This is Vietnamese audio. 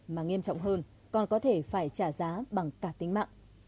mà nghiêm trọng hơn còn có thể phải trả giá bằng cả tính mạng